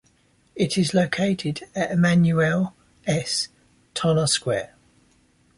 It is located at Emmanuel S. Tonna Square.